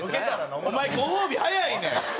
お前ご褒美早いねん！